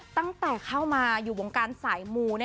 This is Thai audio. ตั้งแต่เข้ามาอยู่วงการสายมู